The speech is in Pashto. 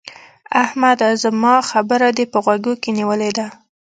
احمده! زما خبره دې په غوږو کې نيولې ده؟